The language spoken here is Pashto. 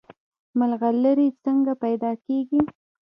ملغلرې څنګه پیدا کیږي؟